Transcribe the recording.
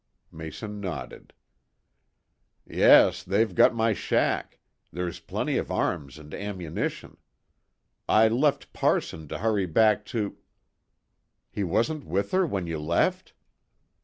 Mason nodded. "Yes. They've got my shack. There's plenty of arms and ammunition. I left parson to hurry back to " "He wasn't with her when you left?"